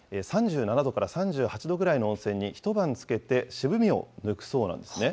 ３７度から３８度ぐらいの温泉に一晩つけて、これで抜けるんですか。